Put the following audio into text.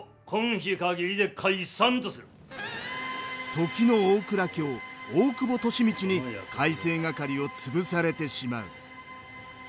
時の大蔵卿大久保利通に改正掛を潰されてしまう。